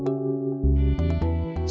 aku sudah sampai disini